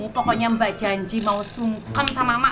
pokoknya mbak janji mau sungkem sama emak